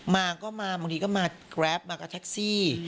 มาก็มาบางทีก็มากราฟมากับแท็กซี่